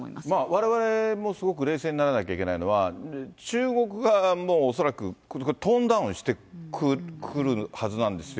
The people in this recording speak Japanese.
われわれもすごく冷静にならなきゃいけないのは、中国側も恐らくトーンダウンしてくるはずなんですよ。